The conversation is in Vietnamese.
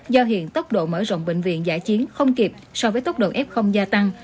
do hiện tốc độ mở rộng bệnh viện giải chiến không kịp so với tốc độ f gia tăng